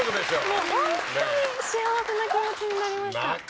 もうホントに幸せな気持ちになりました。